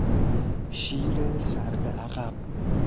شیر سر به عقب